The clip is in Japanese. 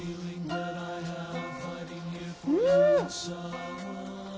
うん。